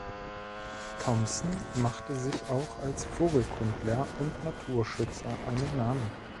Thompson machte sich auch als Vogelkundler und Naturschützer einen Namen.